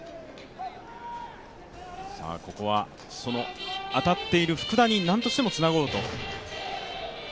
ここは当たっている福田になんとしてもつなごうと。